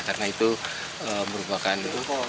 karena itu merupakan